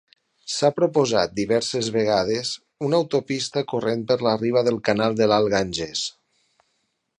S'ha proposat diverses vegades una autopista corrent per la riba del canal de l'alt Ganges.